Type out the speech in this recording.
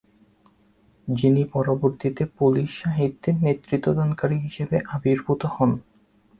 যিনি পরবর্তীতে পোলিশ সাহিত্যের নেতৃত্বদানকারী হিসেবে আবির্ভূত হন।